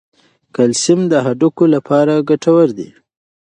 کلسیم د هډوکو لپاره ګټور دی.